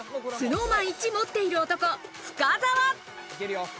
ＳｎｏｗＭａｎいち持っている男、深澤。